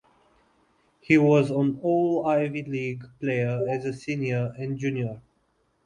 He was an All-Ivy League player as a senior and junior.